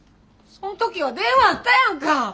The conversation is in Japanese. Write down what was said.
そん時は電話あったやんか！